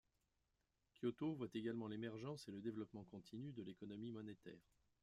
Kyoto voit également l'émergence et le développement continu de l'économie monétaire.